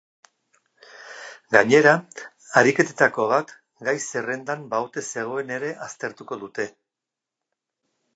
Gainera, ariketetako bat gai-zerrendan ba ote zegoen ere aztertuko dute.